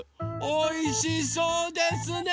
おいしそうですね。